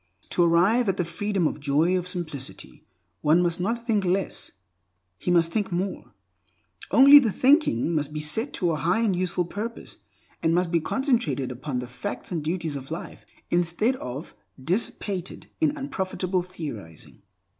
To arrive at the freedom and joy of simplicity, one must not think less, he must think more; only the thinking must be set to a high and useful purpose, and must be concentrated upon the facts and duties of life, instead of dissipated in unprofitable theorizing.